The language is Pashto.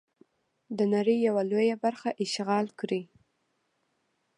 د نړۍ یوه لویه برخه اشغال کړي.